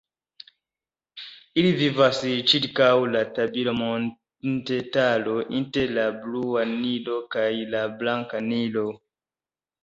Ili vivas ĉirkaŭ la Tabi-montetaro, inter la Blua Nilo kaj la Blanka Nilo.